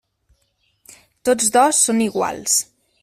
Tots dos són iguals.